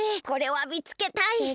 これはみつけたい！